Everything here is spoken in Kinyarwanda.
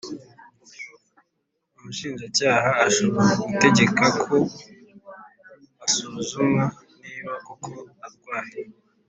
Umushinjacyaha ashobora gutegeka ko asuzumwa niba koko arwaye